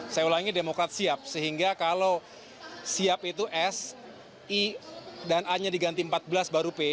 saya ulangi demokrat siap sehingga kalau siap itu s i dan a nya diganti empat belas baru p